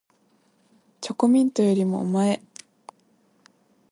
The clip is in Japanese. チョコミントよりもおまえ